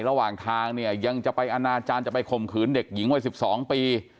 ระหว่างทางเนี่ยยังจะไปอนาจารย์จะไปข่มขืนเด็กหญิงวัย๑๒ปี